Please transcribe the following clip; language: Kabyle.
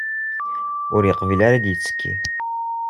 Ut yeqbil ara ad yettekki.